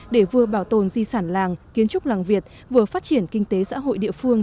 để vừa bảo tồn di sản làng kiến trúc làng việt vừa phát triển kinh tế xã hội địa phương